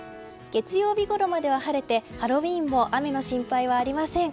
月曜日ごろまでは晴れてハロウィーンも雨の心配はありません。